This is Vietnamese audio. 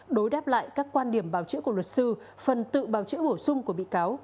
đối đáp lại các quan điểm bào chữa của luật sư phần tự bào chữa bổ sung của bị cáo